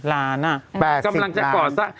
โอ้โฮ๘๐ล้านอะ๘๐ล้านกำลังจะก่อนซะ